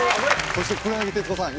そして黒柳徹子さん